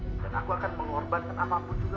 dan aku akan mengorbankan apapun juga